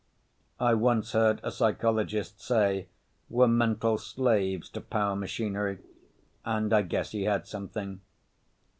I once heard a psychologist say we're mental slaves to power machinery and I guess he had something.